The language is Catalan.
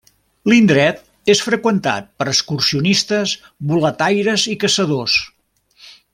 L'indret és freqüentat per excursionistes, boletaires i caçadors.